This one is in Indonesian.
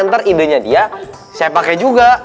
ntar idenya dia saya pakai juga